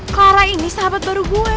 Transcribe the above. kara ini sahabat baru gue